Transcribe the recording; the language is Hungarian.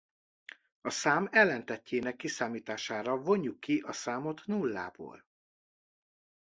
A szám ellentettjének kiszámítására vonjuk ki a számot nullából.